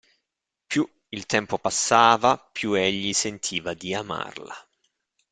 Più il tempo passava, più egli sentiva di amarla.